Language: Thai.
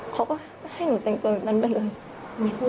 เขาก็ให้หนูแต่งตัวแบบนั้นไปเลย